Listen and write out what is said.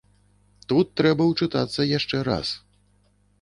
Тут трэба ўчытацца яшчэ раз.